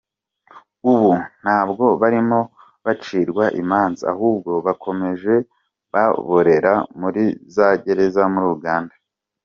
Ubu ntabwo barimo bacirwa imanza ahubwo bakomeje baborera muri za gereza muri Uganda.